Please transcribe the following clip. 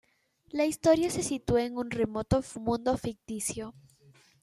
La historia se sitúa en un remoto mundo ficticio.